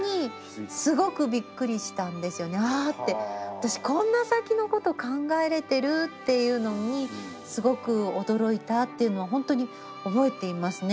「私こんな先のことを考えれてる」っていうのにすごく驚いたっていうのはほんとに覚えていますね。